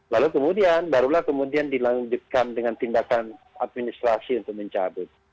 lalu kemudian barulah kemudian dilanjutkan dengan tindakan administrasi untuk mencabut